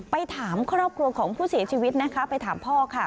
ไปถามครอบครัวของผู้เสียชีวิตนะคะไปถามพ่อค่ะ